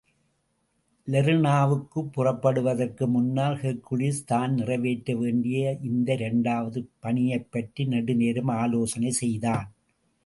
லெர்னாவுக்குப் புறப்படுவதற்கு முன்னால் ஹெர்க்குலிஸ் தான் நிறைவேற்ற வேண்டிய இந்த இரண்டாவது பணியைப்பற்றி நெடுநேரம் ஆலோசனை செய்தான்.